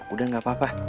udah gak apa apa